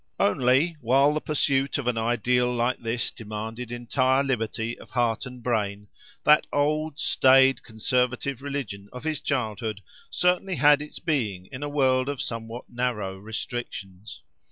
Only, while the pursuit of an ideal like this demanded entire liberty of heart and brain, that old, staid, conservative religion of his childhood certainly had its being in a world of somewhat narrow restrictions.